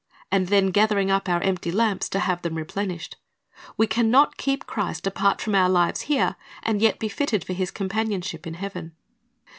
and then gathering up our empty lamps to have them replenished. We can not keep Christ apart from our lives here, and yet be fitted for His companionship in heaven.